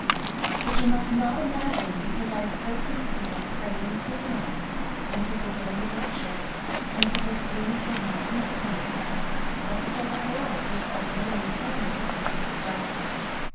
But you must not imagine, because I have spoken of people praying through the night and people going aboard ships and people fleeing towards mountainous country, that the whole world was already in a terror because of the star.